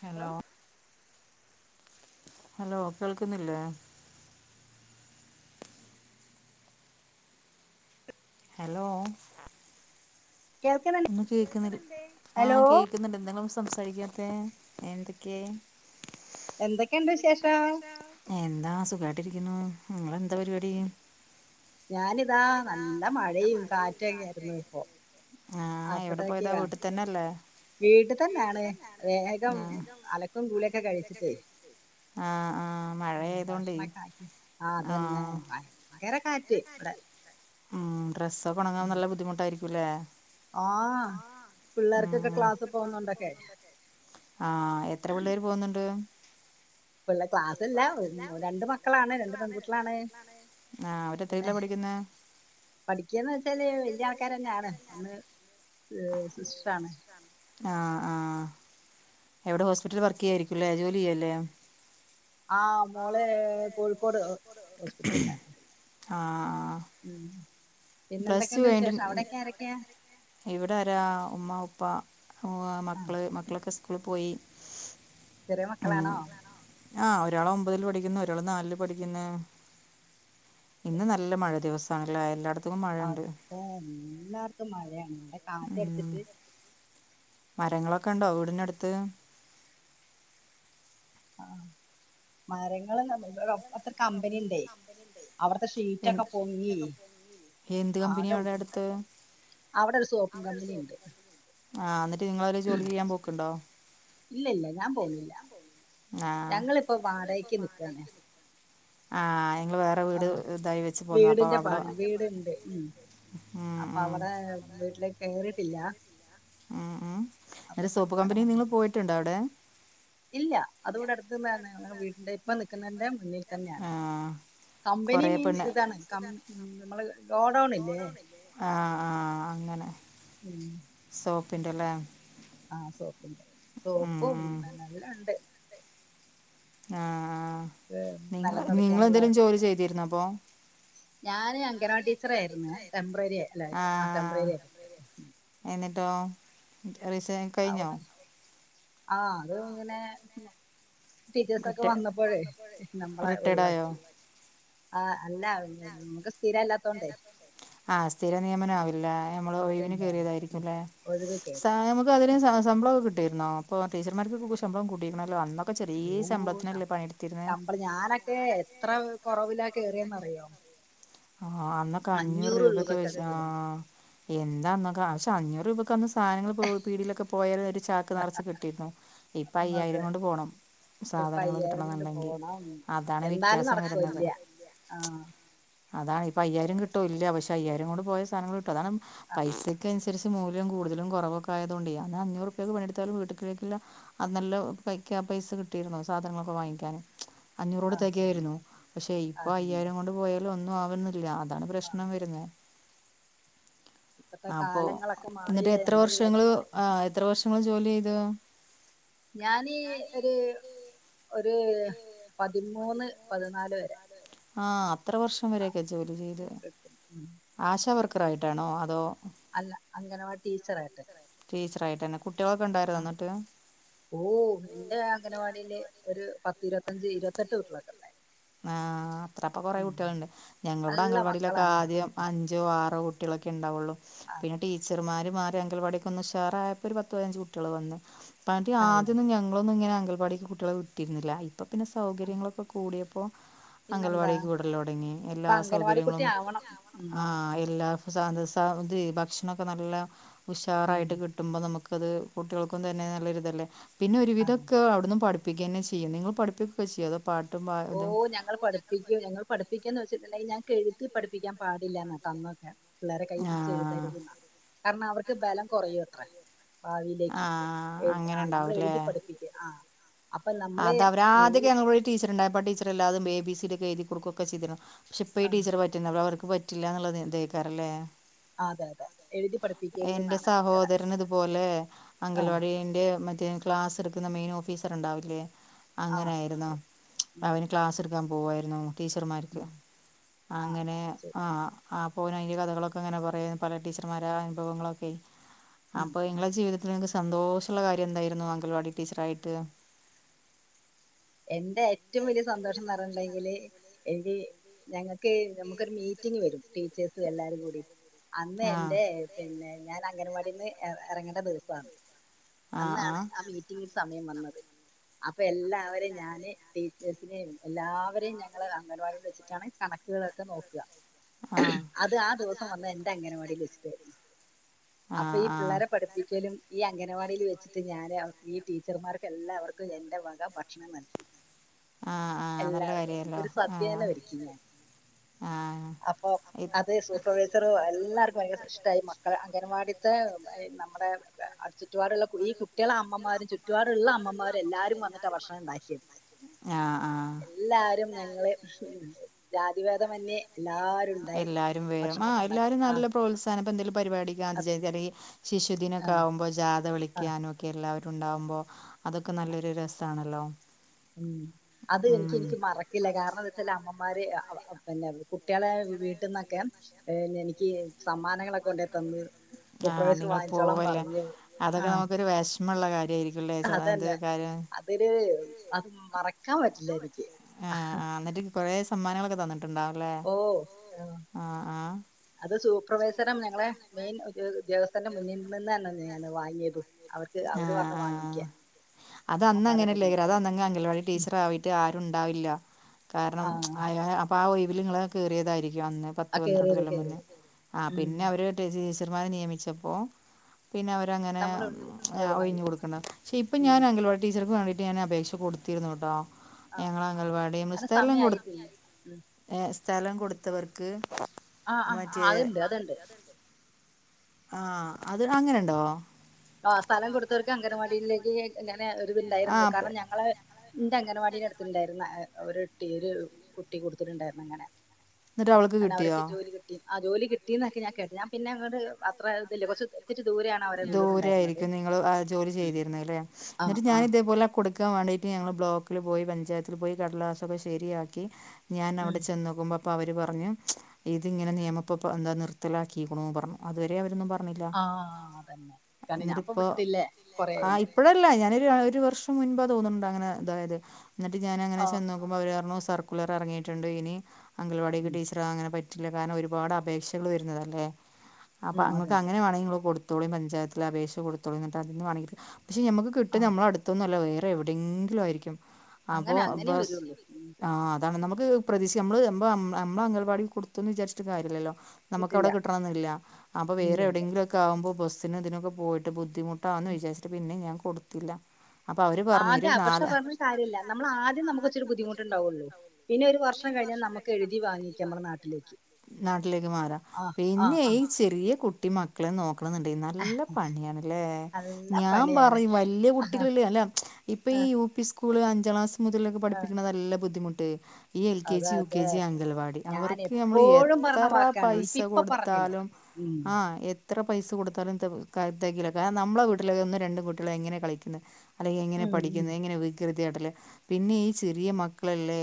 Hello hello കേൾക്കുന്നില്ലേ hello കേൾക്കുന്നുണ്ട് ഒന്ന് കേൾക്കുന്നില്ല ആ ഹലോ കേക്കുന്നുണ്ട് എന്തെങ്കിലും സംസാരിക്കാത്തെ എന്തൊക്കെയ എന്തൊക്കെയുണ്ട് വിശേഷം, എന്താ സുഖായിട്ടിരിക്കുന്നു നിങ്ങെന്താ പരിപാടി ഞാനിതാ നല്ല മഴയും കാറ്റൊക്കെ ആയിരുന്നു ഇപ്പൊ ആഹ് എവിടെ പോയതാ വീട്ടിൽ തന്നെയല്ലേ വീട്ടിതന്നെയാണ് വേഗം അലക്കും കൂളിയൊക്കെ കഴിച്ചിട്ടേ ആ ആ മഴയായതുകൊണ്ടേ ഭക്ഷണൊക്കെ ആക്കി ആ അതന്നെ ഭയങ്കര കാറ്റ് ഇവിടെ കാറ്റ്, ഡ്രസ്സൊക്കെ ഉണങ്ങാൻ നല്ല ബുദ്ധിമുട്ടായിരിക്കുമല്ലേ ആഹ് പിള്ളേർ ക്ലാസിൽ പോണോണ്ടൊക്കെ, ആഹ എത്ര പിള്ളേര് പോുന്നുണ്ട് പിള്ള പിന്നെ ക്ലാസ്സല്ല ക്ലാസ്സില്ല രണ്ട് മക്കളാണ് രണ്ട് പെൺകുട്ടിയാളാണ് എത്രേലാ പഠിക്കുന്നെ പഠിക്കയാന്ന് വെച്ചാല് വലിയ ആൾക്കാരന്നെയാണ്, ഒന്ന് ഏഹ്, സിസ്റ്റർാണ് ആ ആ എവിടെ ഹോസ്പിറ്റല് വർക്ക് ചെയ്യായിരിക്കല്ലേ ജോലി ചെയ്യല്ലേ ആ മോള് ഹ്ഹ് കോഴിക്കോട് ഹോസ്പിറ്റലിലാണ് ആഹ ഉം പ്ലസ് ടു പിന്നെന്തൊക്കെയുണ്ട് കഴിഞ്ഞിട്ട്, വിശേഷം ആരൊക്കെയാ അവിടെക്കെ ആരൊക്കെ, ഇവിടെരാ ഉമ്മാ ഉപ്പ ആ മം, ആ മക്കള് മക്കളൊക്കെ സ്കൂളിൽ പോയി ചെറിയ മക്കളാണോ ആ ഒരാള് ഒമ്പതിൽ പഠിക്കുന്നു, ഒരാള് നാലില് പഠിക്കുന്നു ഇന്ന് നല്ല മഴ ദിവസാണ്ലെ, എല്ലായിടത്തും മഴയുണ്ട് അപ്പ എല്ലാടത്തും മഴയാണ് പിന്നെ കാറ്റ് ഉം അടിച്ചിട്ട് മരങ്ങളൊക്കെ ഉണ്ടോ വീടിനടുത്ത് ആഹ മരങ്ങൾ അത്ര കമ്പനി ഇണ്ടേ അവിടുത്തെ ഷീറ്റൊക്കെ എന്ത് പൊങ്ങി എന്ത് ആകെ കമ്പനിയാ അവിടെ അടുത്ത് ബുദ്ധിമുട്ടായി അവിടെ ഒരു സോപ്പും കമ്പനിയുണ്ട് ആ എന്നിട്ട് നിങ്ങൾ അതിൽ ജോലി ചെയ്യാൻ പോക്കുണ്ടോ ഇല്ല ഇല്ല ഞാൻ ഇല്ലില്ല പോണില്ല ഞാൻ പോവില്ല ഞങ്ങളിപ്പോ ഞങ്ങളിപ്പോ വാടകക്ക് നിക്കാണ് വാടകക്ക് പോവും ആ ആ വീടിന്റെ അവിടെ പാണി വീടുണ്ട് ഉണ്ട് ഉം അപ്പൊ ഉം അവിടെ വീട്ടിലേക്ക് കയറിയിട്ടില്ല ഉം ഉം അല്ല സോപ്പ് തൽക്കാലം കമ്പനി നിങ്ങള് വാടകക്ക് പോയിട്ടുണ്ടോ അവിടെ ഇല്ല അതിവിടെ അടുത്തുന്നാണ് വീടിന്റെ ഇപ്പ നിക്കുന്നതിന്റെ മുന്നിൽ തന്നെയാണ് ആഹ് കമ്പനി കുറേ മീൻസ് പെണ്ണ് ഇതാണ് കം നമ്മള് ഗോഡൗൺ ഇല്ലേ ആ അങ്ങനെ ഉം സോപ്പിന്റെല്ലേ ആ സോപ്പിന്റെ സോപ്പും ഉം എല്ലാം ഉണ്ട് ആ നിങ്ങ നിലം തുടയ്ക്കാനുള്ള നിങ്ങെളെന്തെങ്കിലും ജോലി ചെയ്തിരുന്നൊ അപ്പൊ ഞാന് അങ്കനവാടി ടീച്ചറായിരുന്നു ടെമ്പററി അല്ലെ ആ ടെമ്പററി ആയിട്ടു ട്ടോ റിസൈനിങ് കഴിഞ്ഞോ പിന്നെ ആ അത് ഇങ്ങനെ ടീച്ചേഴ്സൊക്കെ റിട്ടേ വന്നപ്പോഴേ നമ്മളെ റിട്ടേർഡായോ ഒഴിവാക്കി ആ അല്ല നമുക്ക് സ്ഥിരം അല്ലാത്തോണ്ടേ ആ സ്ഥിര നിയമനാവില്ലേ ഞമ്മള് ഒഴിവിന് ഇല്ല ഇല്ല ഉം കേറിയതായിരിക്കുംല്ലേ ഒഴിവ് കേറി സാ നമുക്ക് അതിന് ശമ്പളൊക്കെ കിട്ടിയിരുന്നൊ ഇപ്പൊ ടീച്ചർമാർക്കൊക്കെ ശമ്പളം കൂട്ടിയിക്കിണല്ലോ അന്ന ചെറിയെ ശമ്പളത്തിനല്ലേ പണിയെടു ശമ്പള ഞാനൊക്കെ എത്ര കൊറവില കേറിയെന്ന് അറിയോ ആ അന്നൊക്കെ അഞ്ഞൂറ് രൂപക്ക് ആ കേറി എന്താന്നൊക്കെ പക്ഷെ അഞ്ഞൂറ് രൂപ ന്ന് സാധനങ്ങൾ പ്പൊ പീടിയിലൊക്കെ പോയ ഒരു ചാക്ക് നിറച്ചു കിട്ടിയിരുന്നു ഇപ്പ അത് അയ്യായിരം കൊണ്ട് പോകണം ഇപ്പ അയ്യായിരം കൊണ്ട് പോണം അതാണ് എന്നാലും വ്യത്യാസം നടക്കുവൊ വരുന്നത് ഇല്ല്യ ആ ഇപ്പ അയ്യായിരം കിട്ടൂല്ല പക്ഷെ അയ്യായിരം കൊണ്ട് പോയ സാധനങ്ങൾ കിട്ടും അതാണ്‌ പൈസക്ക് പൈസ് തിരിച്ച് മൂല്യം കൂടുതലും കുറവൊക്ക ആയതുകൊണ്ടേ അന്ന് അഞ്ഞൂറു റുപ്യക്ക് പണിയെടുത്താൽ വീട്ടിലേക്കുള്ള അത് നല്ല ക്കാ പൈസ കിട്ടിയിരുന്നോ സാധനങ്ങളൊക്കെ വാങ്ങിക്കാൻ അഞ്ഞൂറോടെ തികയായിരുന്നു അതന്നെ അതന്നെ പക്ഷെ ഇപ്പൊ അതന്നെ അയ്യായിരം കൊണ്ട് പോയാലും ഒന്നും ആവുന്ന് ല്ല അതാണ് ഒന്നും പ്രശ്നം ആവില്ല വരുന്നെ ഇപ്പത്തെ അപ്പൊ കാലങ്ങളൊക്കെ എന്നിട്ട് മാറിയില്ലേ എത്ര നമ്മള് വർഷങ്ങള് വിചാരിക്കണ പോലെ. ആ എത്ര വർഷങ്ങള് ജോലി ചെയ് തു ഞാന് ഒരു ഒരു പതിമൂന്ന് പതിനാല് വരെ ആ അത്ര വർഷം ആ വരൊക്കെ ജോലി ചെയ്ത് കിട്ടും ഉം ആശ വർക്കറ് ആയിട്ടാണോ അതോ അല്ല അംഗനവാടി ടീച്ചറായിട്ട് ടീച്ചറായിട്ടന്നെ ആ ഓ എന്റെ അംഗനവാടിയില് ഒരു പത്ത് ഇരുത്തഞ്ച് ഇരുപത്തെട്ടു കുട്ട്യോളൊക്കെ ഉണ്ടായിരുന്നു ആ അത്രക്കെ കുറെ കുട്ടികളുണ്ട് ഞങ്ങളിവിടെ നല്ല അംഗൻവാടിയിലൊക്കെ മക്കളാണ് ആദ്യം അഞ്ചോ ആറോ കു കുട്ടികളൊക്കെ ഉണ്ടാവുള്ളൂ പിന്നെ അതെ ടീച്ചർമാരും അങ്കൻവാടിക്കെ ഉഷാറായപ്പോ ഒരു പതിനഞ്ച് കുട്ടികൾ വന്നു പതിയെ അതെ ആദ്യൊന്നും ഞങ്ങളൊന്നും ഇങ്ങനെ അംഗൻവാടിക്ക് കുട്ടികളെ വിട്ടിരുന്നില്ല ഇപ്പൊ പിന്നെ ആ, സൗകര്യങ്ങളൊക്കെ കൂടിയ പിന്നെന്താ അംഗൽവാടിക്ക് വിടൽ തുടങ്ങി എല്ലാ ഇപ്പൊ അംഗനവാടി കുട്ടി സൗകര്യങ്ങളും ആവണം ഉം ആ എല്ലാ സാധന സാന്ത്രി ഭക്ഷണൊക്കെ നല്ല ഉം ഉഷാറായിട്ട് കിട്ടുമ്പോൾ നമുക്ക് അത് കുട്ടികൾക്കും തന്നെ നല്ലൊരിതല്ലേ പിന്നെ അതെ ഒരുവിധക്കെ അവിടന്ന് പഠിപ്പ പഠിപ്പിക്കുക തന്നെ ചെയ്യും നിങ്ങൾ പഠിപ്പിക്കൊക്കെ ചെയ്യോ അതൊ പാട്ടും ഓ ഇതും ഞങ്ങൾ പഠിപ്പിക്കും ഞങ്ങൾ പഠിപ്പ ന്ന് വെച്ചിട്ടുണ്ടെങ്കിൽ ഞങ്ങക്ക് എഴുതി പഠിപ്പിക്കാൻൻ പാടില്ലാ എന്നാ തന്നൊക്കെ പിള്ളേരുടെ കൈ പിടിച്ച് ആഹ് എഴുതരുത് എന്നാ കാരണം അവർക്ക് ബലം കോറയും അത്ര ഭാവിയിലേക്ക് ആഹ് എ അങ്ങനെ ആ നമ്മള് ഉണ്ടാവുംല്ലേ എഴുതി പഠിപ്പിക്ക് ആ അപ്പൊ നമ്മളെ അത് അവരാ ഈ ആദ്യക്കെ ഞങ്ങള് വ്ടെഒര് ടീച്ചറണ്ടായപ്പോ ആ ടീച്ചറ് എല്ലാതും എ ബി സി ഡി ഒക്കെ എഴുതി ക്കെട്ക്കെ ഒക്കെ ചെയ്തിരുന്നു പക്ഷെ ഇപ്പ ആ, ടീച്ചറ് പറ്റുനില്ല അവർക്ക് പറ്റില്ല എന്നുള്ള ഇതെക്കാറല്ലേ ആ, അതെ അതെ എഴുതി പഠിപ്പിക്കരുത് എന്റെ എന്നാണ് കുട്ടികളെ സഹോദരൻ ഇതുപോലെ ആ അംഗൽവാടിന്റെ മ ക്ലാസ് എടുക്കുന്ന മെയിൻ ഓഫീസർണ്ടാവില്ലേ ആ അങ്ങനെ ആരുന്നു ശരി. ഉം, അവന് ക്ലാസ് ക്കാൻ പോവയിരുന്നു ടീച്ചർമാര്ക്ക് ഉം, ആ അങ്ങനെ ശരി ആ ആ ഓൻ അയിന്റെ കഥകളൊക്കെ ങ്ങനെ പറയാ പല ടീച്ചർമാരുടെ അനുഭവങ്ങളൊക്കെ ഉം, അപ്പൊ ഉം. ഇങ്ങളെ ജീവിതത്തിൽ ഇങ്ങക്ക് സ് സന്തോഷള്ള കാര്യം എന്തായിരുന്നു അംഗൽവാടി ടീച്ചറായിട്ട് എന്റെ ഏറ്റവും വലിയ സന്തോഷംന്ന് പറയ്ണ്ടങ്കില് എനി ഞങ്ങക്ക് നമുക്കൊരു മീറ്റിംഗ് വരും ടീച്ചേഴസ് എല്ലാരും കൂടി അന്ന് ആഹ് എന്റെ പിന്നെ ഞാൻ അംഗൻവാടിന്ന് എ എറങ്ങേണ്ട ദിവസാ ആഹ് ആഹ് അന്നാണ് ആ മീറ്റിങ്ങിൽ സമയം വന്നത് അപ്പൊ എല്ലാവരേം ഞാന് ടീച്ചേഴ്സിനെയും എല്ലാവരെയും ഞങ്ങള് അംഗൻവാടിൽ വെച്ചിട്ടാണ് കണക്കുകളൊക്കെ നോക്ക ആഹ് അത് ആ ദിവസം വന്നെ എന്റെ അംഗനവാടിൽ വെച്ചിട്ടായിരുന്നു അപ്പ ആഹ് ഈ ആഹ് പിള്ളരെ പഠിപ്പിക്കലും അംഗനവാടിയിൽ വെച്ചിട്ട് ഞാൻ ഈ ടീച്ചർമാർക്കെല്ലാവർക്കും എൻ്റെ വക ഭക്ഷണം നൽകി ആഹ് ആഹ് നല്ല എല്ലാർക്കും കാര്യല്ലോ ഒരു സദ്യതന്നെ ഒരുക്കി പ്രത്യേകത ഞാൻ ആഹ് അപ്പൊ ഇ അത് സൂപ്പർവൈസറും എല്ലാർക്കും ഭയങ്കര ഇഷ്ട്ടായി മക്കളെ അംഗൻവാടിത്തെ നമ്മുടെ ചുറ്റുപാടുള്ള ഈ കുട്ടികളെ അമ്മമാരും ചുറ്റുപാടുള്ള അമ്മമാരും എല്ലാവാരും വന്നു എന്നിട്ടാ ഭക്ഷണം ഇണ്ടാക്കിയെ, ആഹ് ആഹ് എല്ലാരും ഞങ്ങള് ജാതി എല്ലാരും വേം ഭക്ഷണമൊക്കെ ആഹ് ഉണ്ടാക്കാൻ എല്ലാരും ആ നല്ല പ്രോത്സാഹന ഇപ്പ എന്തെലും പരിപാടി ഗാന്ധി അത് ജയന്തി അല്ലേ ഈ ശിശുദിനം ആ ഒക്കെ ആവുമ്പോ ജാത ആ വിളിക്കാനും ഒക്കെ എല്ലാവരും അതെ ഉണ്ടാവുമ്പോ അതൊക്കെ നല്ലൊരു രസാണല്ലോ. മ് അത് എനിക്ക് എനിക്ക് മറക്കില്ല, കാരണം എന്താ വെച്ചാല് അമ്മമാര് അ അവ അപ്പന്റെ പിന്നെ കുട്ടികളെ വീട്ട്ന്നൊക്കെ എഹ് എനിക്ക് സമ്മാനങ്ങളൊക്കെ കൊണ്ടെ തന്ന് ആഹ് സൂപ്പർവൈസറ് നിങ്ങൾ വാങ്ങിച്ചോളാൻ പോവല്ലേ പറഞ്ഞു. അതൊക്കെ ആഹ് നമുക്കൊരു വിഷമമുള്ള കാര്യമായിരിക്കുംല്ലേ അത് അതന്നെ കാര്യം അതില് അത് മറക്കാൻ പറ്റില്ല എനി ആ ആ ന്ന്ട്ട് കൊറേ സമ്മാനങ്ങളൊക്കെ തന്ന്ട്ട്ണ്ടാവും ലെ ഓ ആഹ് ആ ആ അത് സൂപ്പർവൈസറും ഞങ്ങളെ മെയിൻ ഒരു ഉദ്യോഗസ്ഥന്റെ മുന്നിൽ നിന്ന് തന്നെ ഞാനത് വാങ്യേതും ആ ആ അത് അമ്മമാരൊക്കെ കൊണ്ട് അന്നങ്ങനല്ലേക്കാരം അത് തന്നു. അന്നങ്ങ് അംഗൽവാടി ഉം ടീച്ചറാവിട്ട് ആരുണ്ടാവില്ല കാരണം ആഹ് അയാ ആ അപ്പാ ഒയ് വില് ഇങ്ങളങ് കേറിയതാരിക്കും അന്ന് പത്ത് ആ പന്ത്രണ്ട് കേറിയത് കൊല്ലം മുന്നേ കേറിയത് ആ ഉം പിന്നെ അവരായിട്ട് ടെ ച്ചർമാരെ നിയമിച്ചപ്പോ പിന്നെ അവരങ്ങനെ നമ്മള് ആ ഒഴിവായി ഒയ്ഞ്ഞ് കൊടുക്കണം ഷേ ഇപ്പം ഉം ഞാനങ്കലവാടി ടീച്ചർക്ക് വാണ്ടിട്ട് ഞാൻ അപേക്ഷ കൊടുത്തിരുന്നു ട്ടോ ആഹ് ഞങ്ങളെ ആഹ് അംഗൽവാടിന്ന് അതിന് സ്ഥലം കൊടു സമയായിട്ടില്ല ഉം ഏ സ്ഥലം കൊടുത്തവർക്ക് ആഹ് ആഹ് ആഹ് മറ്റേ അതുണ്ട് അതുണ്ട് ആ അത് അങ്ങനെണ്ടോ ആ സ്ഥലം കൊടുത്തവർക്ക് അംഗൻവാടിയിലേക്ക് ഇങ്ങനെ ആ ഒരിത്ണ്ടാരുന്നു പ- കാരണം ഞങ്ങളെ ന്റെ അംഗൻവാടിന്റെ അടുത്ത്ണ്ടായിര്ന്നു ഒരുട്ടി ഒരു കുട്ടി കൊട്ത്ത്ട്ട്ണ്ടായിരുന്നു അങ്ങനെ ന്ന്ട്ട് അവൾക്ക് കിട്ട്യോ അതോല് കിട്ടി ന്ന ഞാൻ കേട്ടത് ഞാൻ പിന്നെ അങ്ങട്ട് അത്ര ഇല്ല കൊർച്ച് ഇത്തിരി ദൂരെയാണ് അവരെ വീട് യ്രിക്കും നിങ്ങള് ആ ജോലി ചെയ്തിരുന്നെലെ ആ ന്ന്ട്ട് ആ ഞാൻ ഇതേപോലെ കൊട് ട്ക്കാൻ വാണ്ടീട്ട് ഞങ്ങള് ബ്ലോക്കില് പോയി പഞ്ചായത്തില് പോയി കടലാസൊക്കെ ശെരിയാക്കി ഞാൻ ഉം അവടെ ചെന്നോക്കുമ്പോ അപ്പൊ അവര് പറഞ്ഞു ഇതി ഇങ്ങനെ ഉം. നിയമപ്പ പ്പ എന്താ നിർ ത്തലാക്കിക്കുണു പർഞ്ഞു അതുവരെ അവരൊന്നും പർഞ്ഞില്ല ആ അതന്നെ കാരണം ന്ന്ട്ട് ഞാൻപ്പൊ ഇപ്പോ വിട്ടില്ലേ ആ കൊറേയായില്ലേ ഇപ്പഴല്ല ഞാന് ഒരു വർഷം മുൻപ് തോന്നുന്നുണ്ട് അങ്ങനെ അതായത് എന്നിട്ട് ഞാൻ അങ്ങനെ ആ ചെന്ന് നോക്കുമ്പോ അവര് പറഞ്ഞു സർക്കുലർ ഇറങ്ങിയിട്ടുണ്ട് ഇനി അംഗൽവാടിക്ക് ഉം ടീച്ചറ അങ്ങനെ പറ്റി ല്ലാ കാരണം ഒരുപാട് അപേക്ഷകൾ വരുന്നതല്ലേ അപ്പൊ ഉം അതെ ഇങ്ങക്ക് അതെ അങ്ങനെ വേണെങ്കിൽ ഇങ്ങൾ കൊടു കൊടുത്തോളീം പഞ്ചായത്തിൽ അപേക്ഷ കൊടുത്തോളിൻ എന്നിട്ട് അതീന്നു വേണോങ്കിൽ പക്ഷെ നമുക്ക് ആ കിട്ടും നമ്മള അടുത്തൊന്നല്ല എവിടെങ്കിലും ആയിരിക്കും അപ്പോ അങ്ങനെ അങ്ങനെ ബസ് വരുള്ളൂ ഉം. ആഹ് താണ് നമുക്ക് പ്രതീഷി നമ്മള് നമ്മളെ അംഗലവാടില് കൊടുത്തു ന്ന് ചാരിച്ച്ട്ട് കാര്യല്ലല്ലോ നമുക്ക് കിട്ടില്ല അവടെ കിട്ടണന്നില്ല അപ്പൊ ഇല്ല വേറെ ഇല്ല എവിടെങ്കിലൊക്കാവുമ്പോ ബസിന് ഇതിനൊക്കെ പോയിട്ട് ബു ദ്ധിമുട്ടാന്ന് ഉം. വിചാരിച്ചിട്ട് പിന്നെ ഞാൻ കൊട്ത്തില്ല ആദ്യം അ പക്ഷെ പർഞ്ട്ട് കാര്യല്ല നമ്മൾ ആദ്യം നമുക്ക് ഇച്ചിരി ബുദ്ധിമുട്ടുണ്ടാവൊള്ളൂ പിന്നൊരു വർ ക്ഷണം കയ്ഞ്ഞാ നമുക്ക് എഴുതി വാങ്ങിക്കാ നമ്മളെ നാട്ടിലേക്ക് നാട്ടിലേക്ക് മാറാം. ആ ആ പിന്നെ ആ ഈ ചെറിയ കുട്ടി മക്കളെ നോ ക്കണം ണ്ടേൽ നല്ല പണിയാണ്ല്ലേ. നല്ല ഞാൻ പണിയാണ് പറയും വല്യ കുട്ടികള് ഇല്ലേ അല്ല ഇപ്പ ആ ഈ ഈ യു പി സ്കൂള് അഞ്ചാം ക്ലാസ് മുതലക്കെ ആ പഠിപ്പിക്കണതല്ല ബുദ്ധിമുട്ട് ഈ എൽ കെ അതെ ജി യു അതെ കെ ജി അംഗൽവാടി ഞാൻ അവർക്ക് അമ്മള് എ എപ്പോഴും പറഞ്ഞ എത്ര വാക്കാണ് പൈസ ഇപ്പ ഇപ്പൊ പറഞ്ഞില്ലേ കൊടുത്താലും ഉം ആഹ് എ ത്ര പൈസ കൊടുത്താലും ഇത് ക്ക തെകീല. കാര് നമ്മള വീട്ടില് ഒന്നും രണ്ടും കുട്ടിള് എങ്ങനെ കളിക്കുന്നെ? അല്ലെങ്കി എങ്ങനെ ഉം ഉം. പഠിക്കുന്നത് എങ്ങനെ വി കൃതിയായിട്ടല്ലേ പിന്നെ ഈ ചെറിയ മക്കളല്ലേ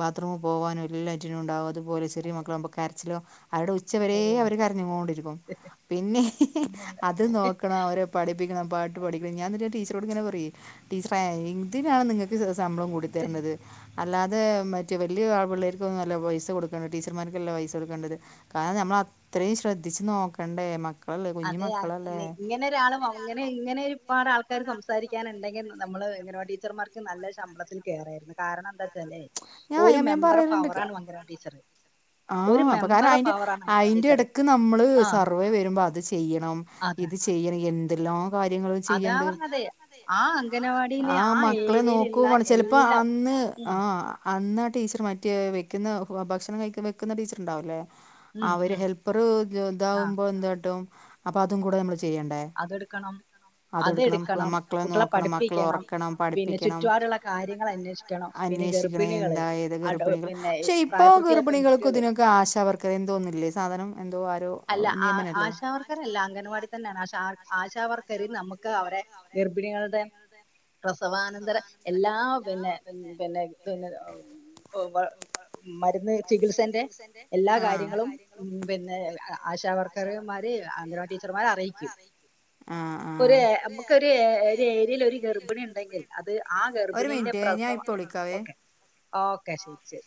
ബാത്റൂം പോവാനും എല്ലാറ്റിനും ഉണ്ടാകും അതും പോലെ ചെറിയ അതെ അതെ മക്കളാകുമ്പോ കരച്ചിലോ അവരുടെ ഓ ഉച്ചവരെ അവർ കരഞ്ഞുകൊണ്ടിരിക്കും പിന്നെ പിന്നെന്താ അത് നോക്കണം അവരെ പഠി പഠിപ്പിക്കണം പാട്ട് പഠിക്കണം ഞാൻ എന്നിട്ട് ടീച്ചറോട് ഇങ്ങനെ പറയും ടീച്ചറേ എന്തിനാണ് നിങ്ങൾക്ക് ശമ്പളം കൂടിത്തരന്നത് അല്ലാതെ മറ്റ് വലിയ ആൾ പിള്ളേർക്കൊന്നും അല്ല പൈസ കൊടുക്കണ്ട് ടീച്ചർമാർക്കല്ലെ പൈസ കൊടുക്കേണ്ടത് കാരണം നമ്മള അത്രയും ശ്രെദ്ധിച്ച് നോക്കണ്ടേ മക്ക അതെ ഇങ്ങനെ ഒരാളും അങ്ങനെ വ- ഇങ്ങനെരു ഒരുപാട് ആൾക്കാർ സംസാരിക്കാനുണ്ടെങ്കിൽ നമ്മള് ഇങ്ങനെ ടീച്ചർമാർക്ക് നല്ല ശമ്പളത്തിൽ കേറായിരുന്നു കാരണം എന്താ വെച്ചാലേ വെച്ചാല് ഒരു ഞാൻ ഞാൻ ഞാൻ മെമ്പർ പറയലുണ്ട് പവർ ക- ആണ് അംഗനവാടി ടീച്ചർ ഒരു ആഹ് അപ്പൊ കാരണം മെമ്പർ അതിന്റെ പവറാണ് അംഗനവാടി അയിന്റെ ടീച്ചർ ഇടക്ക് നമ്മള് ആ സർവേ വരുമ്പോ അത് ചെയ്യണം അതാ ഇത് ചെയ്യണം എന്തെല്ലാം കാര്യങ്ങളാ അതാ ചെയ്യണ്ടെ പറഞ്ഞത് ആ അംഗനവാടിയിലെ ആഹ് ആ മക്കളെ നോക്കും ഏരിയയിലുള്ള വേണം ചെലപ്പോ എല്ലാം അന്ന് ഉം ആഹ് അന്നാ ടീച്ചർ മറ്റേ വെക്കുന്ന ഭക്ഷണം കഴിക്കാൻ വെക്കുന്ന ടീച്ചർ ഉണ്ടാവില്ലേ ഉം അവര് ഉം ഹെൽപ്പർ ആ ഇതാവുമ്പോ എന്ത് കാട്ടും അപ്പൊ അതും കൂടെ നമ്മള് ചെയ്യണ്ടേ അതെടുക്കണം അതെടുക്കണം മക്കളെ കുട്ടികളെ നോക്കണം മക്കളെ പഠിപ്പിക്കണം ഉറക്കണം പിന്നെ പഠിപ്പിക്കണം ചുറ്റുപാടുള്ള കാര്യങ്ങൾ അന്വേഷിക്കണം പിന്നെ അന്വേഷിക്കണം ഗർഭിണികള് എന്താ ഏത് അടോ ഗർഭിണികൾ പിന്നെ പക്ഷെ ഇപ്പോ പ്രായപൂർത്തിയായ പെൺകു ഗർഭിണികൾക്ക് ഇതിനൊക്കെ ആശ വർക്കർ എന്തോന്നില്ലേ സാധനം എന്തോ ആരോ അല്ല ആ നിയമനല്ലേ ആശാവർക്കറല്ല അംഗൻവാടി തന്നെയാണ് ആശ ആ ആശാവർക്കർ നമുക്ക് അവടെ ഗർഭിണികളുടെ പ്രസവാനന്തര എല്ലാ പിന്നെ പിന്നെ പിന്നെ മരുന്ന് ചികിത്സന്റെ എല്ലാ ആ കാര്യങ്ങളും ഉം പിന്നെ ആശാവർക്കർമാര് അംഗനവാ ടീച്ചർമാരെ അറിയിക്കും ആഹ് ആഹ് ഒരു നമുക്കൊരു ഒരു ഏരിയയിൽ ഒരു ഗർഭിണി ഉണ്ടെങ്കിൽ അത് ആ ഒരു ഗർഭിണിന്റെ മിനിറ്റ് പ്രസവം ഓക്കെ [unintelligible] ഓക്കെ ശരി ശരി